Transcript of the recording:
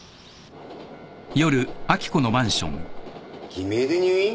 偽名で入院？